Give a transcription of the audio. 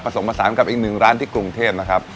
สมผสานกับอีกหนึ่งร้านที่กรุงเทพนะครับ